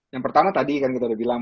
yang pertama tadi kan kita udah bilang